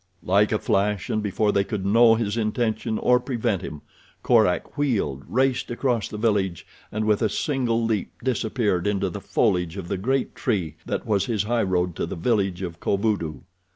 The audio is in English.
Like a flash, and before they could know his intention or prevent him, Korak wheeled, raced across the village and with a single leap disappeared into the foliage of the great tree that was his highroad to the village of Kovudoo.